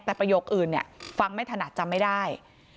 แต่ประโยคอื่นเนี่ยฟังไม่ถนัดจำไม่ได้